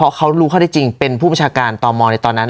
เพราะเขารู้ข้อได้จริงเป็นผู้ประชาการตมในตอนนั้น